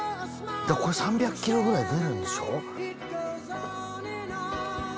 これ３００キロくらい出るんでしょ？